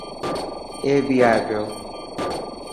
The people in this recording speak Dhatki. اي بي ائي پيو.